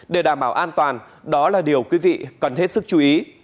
để đảm bảo an toàn đó là điều quý vị cần hết sức chú ý